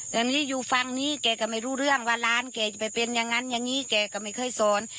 ตอนนี้อยู่ฝั่งนี้แกก็ไม่รู้เรื่องว่าร้านแกจะไปเป็นอย่างนั้นอย่างนี้แกก็ไม่เคยสอน